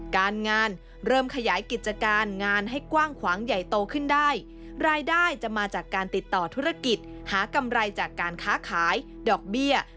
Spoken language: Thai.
การงานเริ่มขยายกิจการงานให้กว้างขวางใหญ่โตขึ้นได้